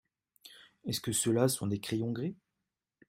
Est-ce que ceux-là sont des crayons gris ?